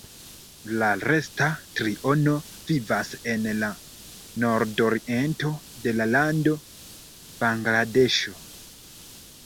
La resta triono vivas en la nordoriento de la lando Bangladeŝo.